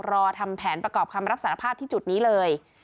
รอทำแผนประกอบคำรับสารภาพที่จุดนี้เลย